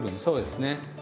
そうですね。